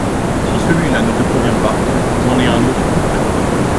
Si celui-là ne te convient pas, j’en ai un autre tout prêt…